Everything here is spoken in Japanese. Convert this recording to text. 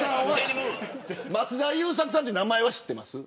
松田優作さんという名前は知ってますか。